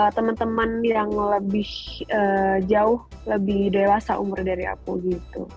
teman teman yang lebih jauh lebih dewasa umur dari aku gitu